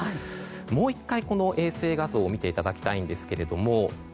もう１回、衛星画像を見ていただきたいんですが